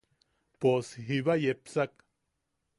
Pos jiba yepsaka.